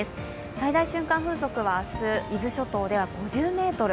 最大瞬間風速は明日、伊豆諸島では５０メートル。